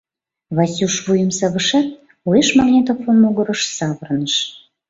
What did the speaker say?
Васюш вуйым савышат, уэш магнитофон могырыш савырныш.